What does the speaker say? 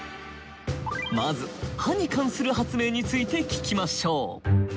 まず「歯」に関する発明について聞きましょう。